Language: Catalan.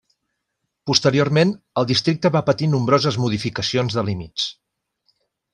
Posteriorment el districte va patir nombroses modificacions de límits.